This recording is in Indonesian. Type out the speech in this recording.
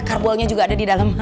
karbolnya juga ada di dalam